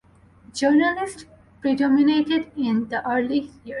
Journalists predominated in the early years.